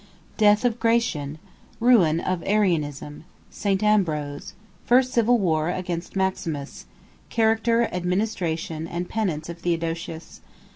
Death Of Gratian.—Ruin Of Arianism.—St. Ambrose.—First Civil War, Against Maximus.—Character, Administration, And Penance Of Theodosius.